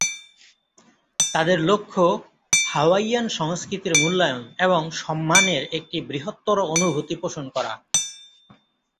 তাদের লক্ষ্য হাওয়াইয়ান সংস্কৃতির মূল্যায়ন এবং সম্মানের একটি বৃহত্তর অনুভূতি পোষণ করা।